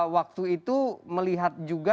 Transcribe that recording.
waktu itu melihat juga